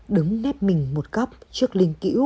đứng nếp mình một góc trước linh kĩu